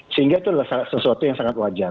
sehingga itu adalah sesuatu yang sangat wajar